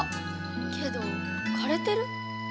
けどかれてる？